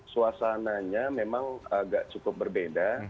suasananya memang agak cukup berbeda